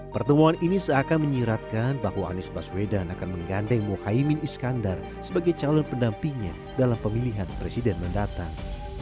pertemuan ini seakan menyiratkan bahwa anies baswedan akan menggandeng muhaymin iskandar sebagai calon pendampingnya dalam pemilihan presiden mendatang